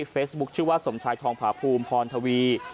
เฟซบุ๊คชื่อว่าสมชายทองผาภูมิพรทวี